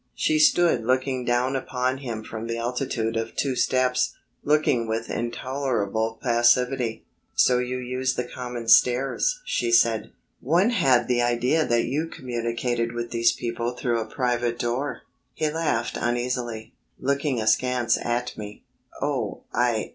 She stood looking down upon him from the altitude of two steps, looking with intolerable passivity. "So you use the common stairs," she said, "one had the idea that you communicated with these people through a private door." He laughed uneasily, looking askance at me. "Oh, I